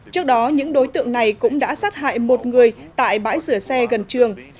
trước đó những đối tượng này cũng đã sát hại một người tại bãi rửa xe gần trường